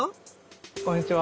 こんにちは。